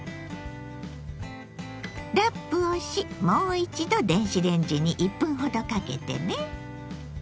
ラップをしもう一度電子レンジに１分ほどかけてね。